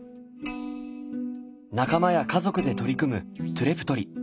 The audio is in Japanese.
仲間や家族で取り組むトゥレ採り。